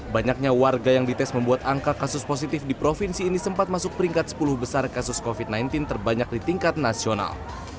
banyaknya warga yang dites membuat angka kasus positif di provinsi ini sempat masuk peringkat sepuluh besar kasus covid sembilan belas terbanyak di tingkat nasional